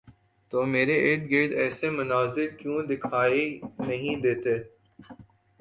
تو میرے ارد گرد ایسے مناظر کیوں دکھائی نہیں دیتے؟